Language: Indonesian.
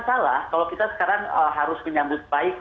salah kalau kita sekarang harus menyambut baik